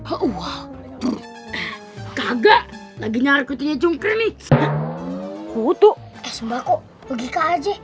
enggak lagi harganya jumpro poor